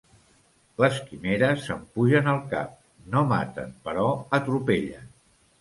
Les quimeres se'n pugen al cap; no maten, però atropellen.